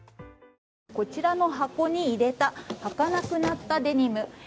こちらの箱に入れたはかなくなったデニム。